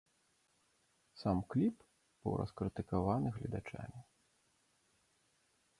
Сам кліп быў раскрытыкаваны гледачамі.